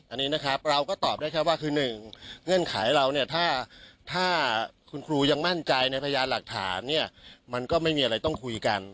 อันนี้นะครับเราก็ตอบได้แค่ว่าคือ๑เงื่อนไขเราเนี่ยถ้าคุณครูยังมั่นใจในพยานหลักฐานเนี่ยมันก็ไม่มีอะไรต้องคุยกัน